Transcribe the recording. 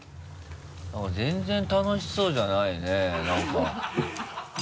全然楽しそうじゃないねなんか。